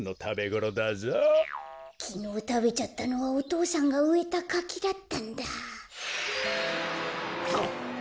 こころのこえきのうたべちゃったのはお父さんがうえたかきだったんだ。